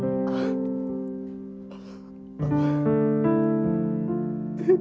uang ini sudah tidak berarti